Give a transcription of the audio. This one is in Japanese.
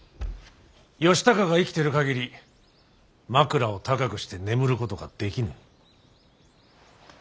義高が生きてる限り枕を高くして眠ることができぬ。